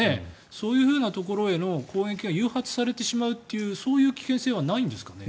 そういうふうなところへの攻撃が誘発されてしまうというそういう危険性はないんですかね。